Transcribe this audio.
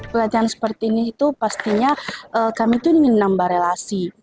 pelatihan seperti ini itu pastinya kami itu ingin menambah relasi